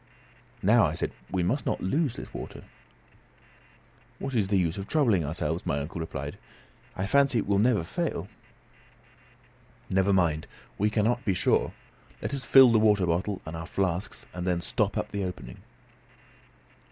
"Now," I said, "we must not lose this water." "What is the use of troubling ourselves?" my uncle, replied. "I fancy it will never fail." "Never mind, we cannot be sure; let us fill the water bottle and our flasks, and then stop up the opening."